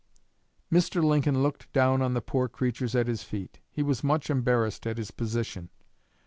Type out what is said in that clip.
Mr. Lincoln looked down on the poor creatures at his feet. He was much embarrassed at his position.